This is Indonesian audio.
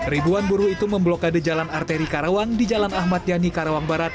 ribuan buruh itu memblokade jalan arteri karawang di jalan ahmad yani karawang barat